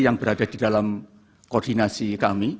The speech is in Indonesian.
yang berada di dalam koordinasi kami